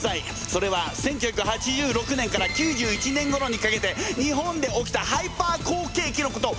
それは１９８６年から９１年ごろにかけて日本で起きたハイパー好景気のこと！